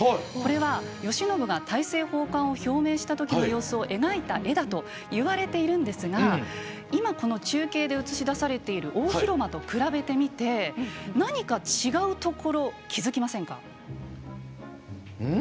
これは慶喜が大政奉還を表明したときの様子を描いた絵だといわれているんですが今、この中継で映し出されている大広間と比べてみて何か違うところ気付きませんか？